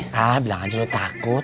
hah bilang aja lu takut